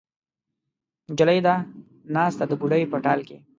نجلۍ ده ناسته د بوډۍ په ټال کې